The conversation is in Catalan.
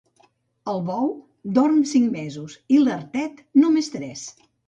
El bou dorm cinc mesos, i l'artet, només tres.